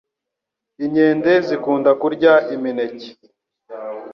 inkende zikunda kurya imineke